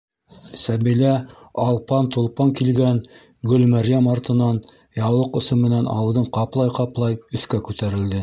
Сәбилә, алпан-толпан килгән Гөлмәрйәм артынан, яулыҡ осо менән ауыҙын ҡаплай-ҡаплай, өҫкә күтәрелде...